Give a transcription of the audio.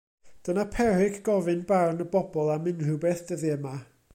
Dyna peryg gofyn barn y bobol am unrhyw beth dyddie 'ma.